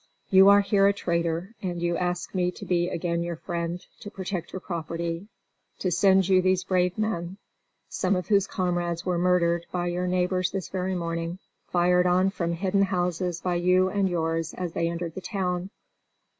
You are here a traitor, and you ask me to be again your friend, to protect your property, to send you these brave men, some of whose comrades were murdered by your neighbors this very morning fired on from hidden houses by you and yours as they entered the town.